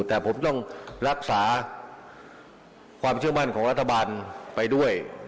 แต่ผมต้องรักษาความเชื่อมั่นของรัฐบาลไปด้วย